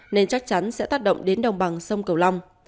nên chắc chắn sẽ tác động đến đồng bằng sông cầu long